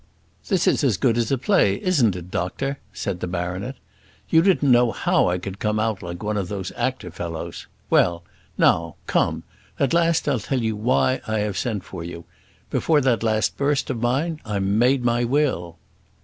"This is as good as a play, isn't, doctor?" said the baronet. "You didn't know how I could come out like one of those actor fellows. Well, now, come; at last I'll tell you why I have sent for you. Before that last burst of mine I made my will."